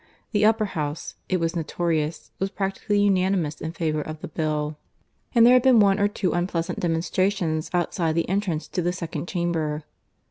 The Upper House, it was notorious, was practically unanimous in favour of the Bill; and there had been one or two unpleasant demonstrations outside the entrance to the Second Chamber.